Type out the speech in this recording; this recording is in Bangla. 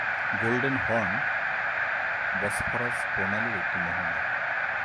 গোল্ডেন হর্ন বসফরাস প্রণালীর একটি মোহনা।